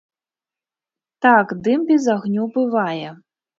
Так, дым без агню бывае.